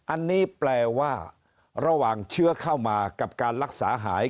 อันนี้แปลว่าระหว่างเชื้อเข้ามากับการรักษาหาย